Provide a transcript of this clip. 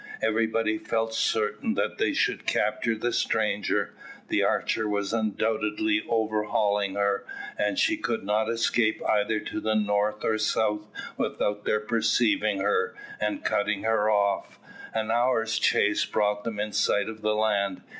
Everybody felt certain that they should capture the stranger; the Archer was undoubtedly overhauling her, and she could not escape either to the north or south without their perceiving her, and cutting her off. An hour's chase brought them in sight of the land.